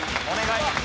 お願い